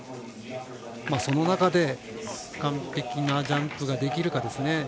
その中で、完璧なジャンプができるかですね。